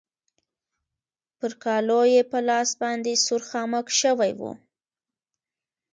پر کالو يې په لاس باندې سور خامک شوی و.